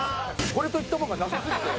これといったものがなさすぎて。